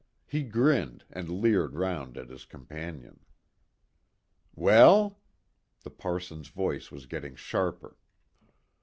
He grinned, and leered round at his companion. "Well?" The parson's voice was getting sharper.